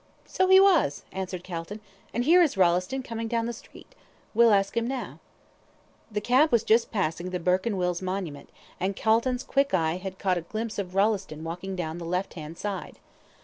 "So he was," answered Calton; "and here is Rolleston coming down the street. We'll ask him now." The cab was just passing the Burke and Wills' monument, and Calton's quick eye had caught a glimpse of Rolleston walking down the left hand side.